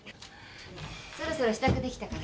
そろそろ支度できたから。